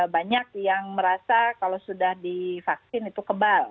banyak yang merasa kalau sudah divaksin itu kebal